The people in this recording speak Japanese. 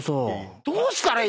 どうしたらいい。